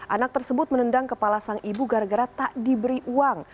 anak tersebut menendang kepala sang ibu gara gara tak diberi uang